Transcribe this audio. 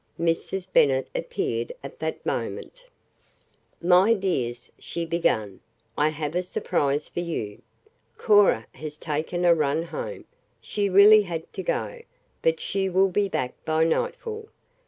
Mrs. Bennet appeared at that moment. "My dears," she began, "I have a surprise for you. Cora has taken a run home she really had to go, but she will be back by nightfall.